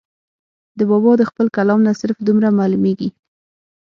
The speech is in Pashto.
د بابا د خپل کلام نه صرف دومره معلوميږي